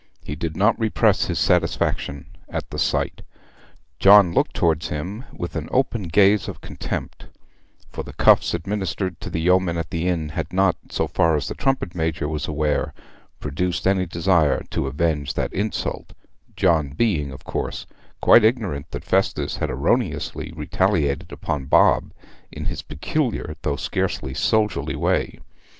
He did not repress his satisfaction at the sight. John looked towards him with an open gaze of contempt; for the cuffs administered to the yeoman at the inn had not, so far as the trumpet major was aware, produced any desire to avenge that insult, John being, of course, quite ignorant that Festus had erroneously retaliated upon Bob, in his peculiar though scarcely soldierly way.